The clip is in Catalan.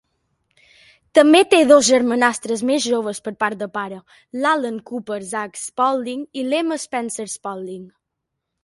També té dos germanastres més joves per part de pare, l"Alan Cooper "Zach" Spaulding i l"Emma Spencer-Spaulding.